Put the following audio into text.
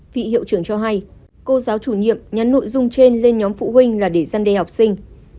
vị hiệu trưởng cho hay cô giáo chủ nhiệm nhắn nội dung trên lên nhóm phụ huynh là để gian đe học sinh